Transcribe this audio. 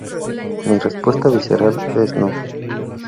Mi respuesta visceral es no.